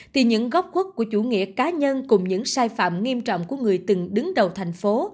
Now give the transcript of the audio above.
thì những góc khuất của chủ nghĩa cá nhân cùng những sai phạm nghiêm trọng của người từng đứng đầu thành phố